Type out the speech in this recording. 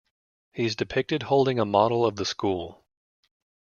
He is depicted holding a model of the school.